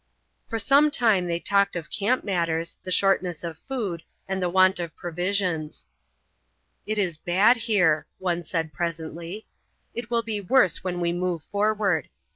For some time they talked of camp matters, the shortness of food, and want of provisions. "It is bad here," one said presently; "it will be worse when we move forward.